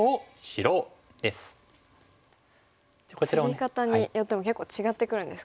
ツギ方によっても結構違ってくるんですか。